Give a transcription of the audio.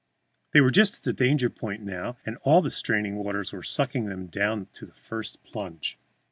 They were just at the danger point now, and all the straining waters were sucking them down to the first plunge.